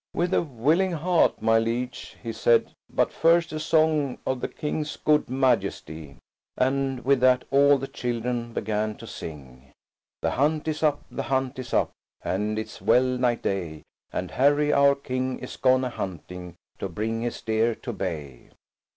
"With a willing heart, my liege," he said, "but first a song of the King's good Majesty." And with that all the children began to sing– "The hunt is up, the hunt is up, And it is well nigh day, And Harry our King is gone a hunting To bring his deer to bay."